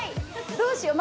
どうしよう。